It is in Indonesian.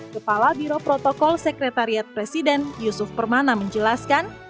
kepala biro protokol sekretariat presiden yusuf permana menjelaskan